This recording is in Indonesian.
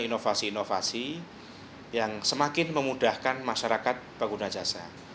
inovasi inovasi yang semakin memudahkan masyarakat pengguna jasa